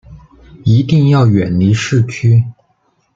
一定要远离市区